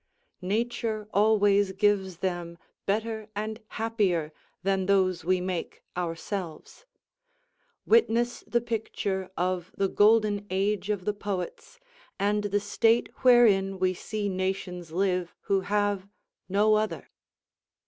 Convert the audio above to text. Nature always gives them better and happier than those we make ourselves; witness the picture of the Golden Age of the Poets and the state wherein we see nations live who have no other.